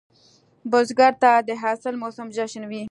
بزګر ته د حاصل موسم جشن وي